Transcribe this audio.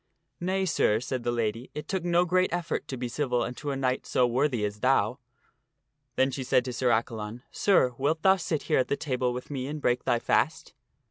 " Nay, sir," said the lady, " it took no great effort to be civil unto a knight so worthy as thou." Then she said to Sir Accalon, " Sir, wilt thou sit here at the table with me and break thy fast